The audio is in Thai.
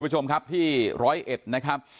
คุณผู้ชมครับที่ร้อยเอ็ดนะครับ